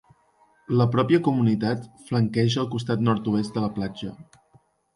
La pròpia comunitat flanqueja el costat nord-oest de la platja.